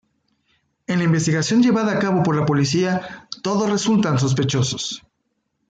En la investigación llevada a cabo por la policía, todos resultan sospechosos.